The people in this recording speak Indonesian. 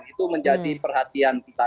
itu menjadi perhatian kita